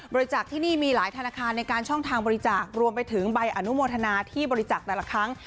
จักษ์ที่นี่มีหลายธนาคารในการช่องทางบริจาครวมไปถึงใบอนุโมทนาที่บริจาคแต่ละครั้ง